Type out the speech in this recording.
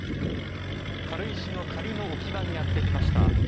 軽石の仮の置き場にやってきました。